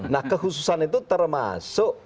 nah kehususan itu termasuk